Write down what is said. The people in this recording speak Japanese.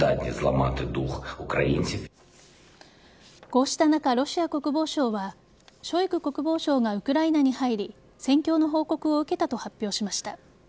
こうした中、ロシア国防省はショイグ国防相がウクライナに入り戦況の報告を受けたと発表しました。